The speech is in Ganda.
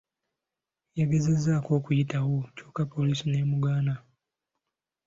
Yagezaako okuyitawo kyokka poliisi n’emugaana.